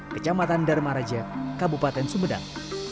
kecamatan darmaraja kabupaten sumedang